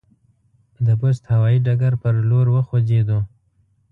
د بُست هوایي ډګر پر لور وخوځېدو.